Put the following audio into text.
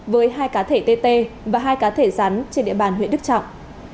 với hai cá thể tê tê và hai cá thể rắn trên địa bàn huyện đức trọng